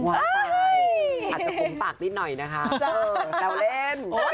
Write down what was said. อ้าวเฮ้ยอาจจะปุ่มปากนิดหน่อยนะคะเออแก้วเล่น